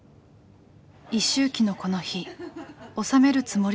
１周忌のこの日納めるつもりでしたが。